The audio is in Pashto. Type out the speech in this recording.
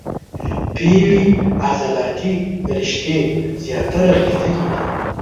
پېړې عضلاتي رشتې زیاتره غښتلي دي.